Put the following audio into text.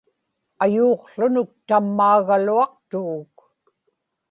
ayuuqłunuk tammaaġaluaqtuguk